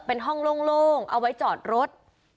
เป็นห้องโล่งเอาไว้จอดรถ